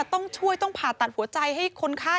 ต้องช่วยต้องผ่าตัดหัวใจให้คนไข้